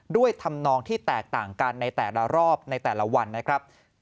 ธรรมนองที่แตกต่างกันในแต่ละรอบในแต่ละวันนะครับ